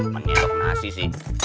menyetep nasi sih